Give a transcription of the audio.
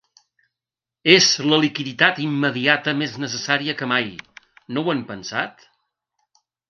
És la liquiditat immediata més necessària que mai, no ho han pensat?